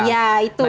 ya itu dia